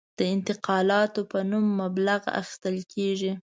د انتقالاتو په نوم مبلغ اخیستل کېږي.